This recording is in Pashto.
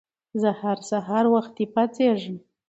زه هر سهار وخته پاڅيږم